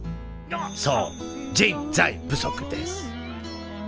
そう人材不足です